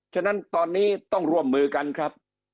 ฉะนั้นตอนนี้ต้องร่วมมือกันครับ